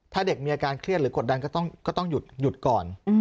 ถ้าเด็กมีอาการเครียดหรือกดดันก็ต้องหยุดก่อน